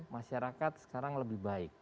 masyarakat sekarang lebih baik